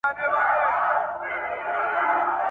رباب ګونګی سو مطربان مړه سول ,